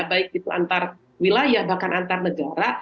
baik itu antar wilayah bahkan antar negara